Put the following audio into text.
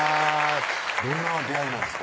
どんな出会いなんですか？